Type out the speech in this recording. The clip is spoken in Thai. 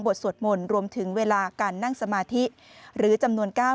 บทสวดมลรวมถึงเวลาการนั่งสมาธิหรือจำนวนเก้า